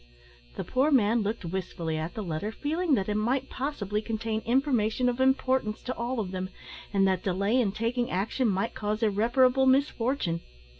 The poor man looked wistfully at the letter, feeling that it might possibly contain information of importance to all of them, and that delay in taking action might cause irreparable misfortune.